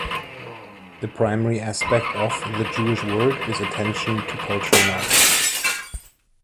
The primary aspect of "The Jewish Word" is attention to culture and art.